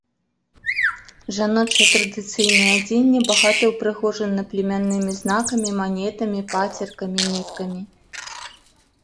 Жаночае традыцыйнае адзенне багата ўпрыгожана племяннымі знакамі, манетамі, пацеркамі, ніткамі.